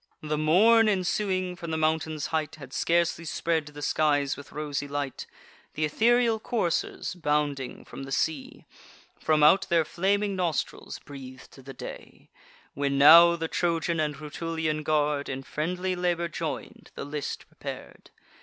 The morn ensuing, from the mountain's height, Had scarcely spread the skies with rosy light; Th' ethereal coursers, bounding from the sea, From out their flaming nostrils breath'd the day; When now the Trojan and Rutulian guard, In friendly labour join'd, the list prepar'd.